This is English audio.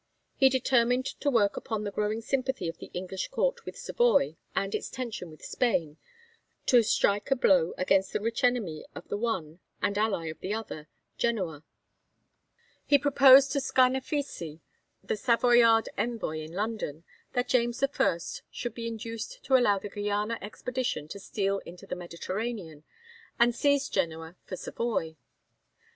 He determined to work upon the growing sympathy of the English Court with Savoy and its tension with Spain, to strike a blow against the rich enemy of the one and ally of the other, Genoa. He proposed to Scarnafissi, the Savoyard envoy in London, that James I. should be induced to allow the Guiana expedition to steal into the Mediterranean, and seize Genoa for Savoy.